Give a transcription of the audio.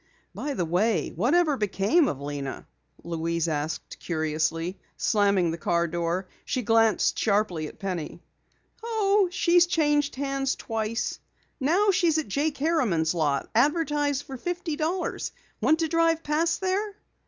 "By the way, whatever became of Lena?" Louise asked curiously, slamming the car door. She glanced sharply at Penny. "Oh, she's changed hands twice. Now she's at Jake Harriman's lot, advertised for fifty dollars. Want to drive past there?"